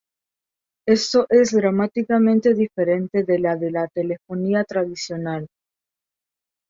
Esto es dramáticamente diferente de la de la telefonía tradicional.